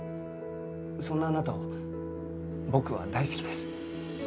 そんなあなたを僕は大好きです。